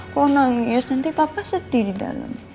kok nangis nanti papa sedih di dalam